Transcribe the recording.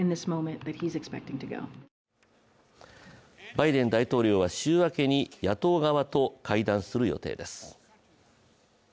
バイデン大統領は週明けに野党側と会談する予定です。